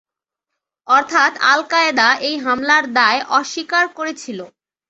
অর্থাৎ al Qaeda এই হামলার দায় অস্বীকার করেছিল।